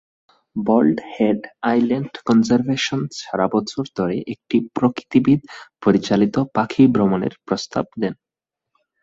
বল্ড Head Island conservation সারা বছর ধরে একটি প্রকৃতিবিদ পরিচালিত পাখি ভ্রমণের প্রস্তাব দেয়।